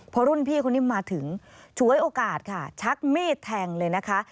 พอรุ่นพี่คนนี้มาถึงฉวยโอกาสค่ะชักมีดแทงเลยนะคะ